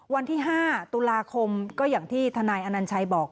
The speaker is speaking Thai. วันที่๕ตุลาคมก็อย่างที่ทนายอนัญชัยบอก